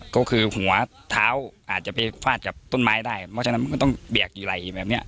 ก็คือหัวเท้าอาจจะไปฟาดกับต้นไม้ได้เพราะฉะนั้นมันก็ต้องเบียกอยู่ไหล่แบบเนี้ย